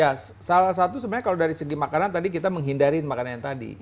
ya salah satu sebenarnya kalau dari segi makanan tadi kita menghindari makanan yang tadi